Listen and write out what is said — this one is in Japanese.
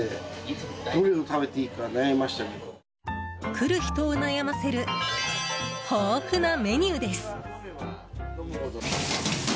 来る人を悩ませる豊富なメニューです。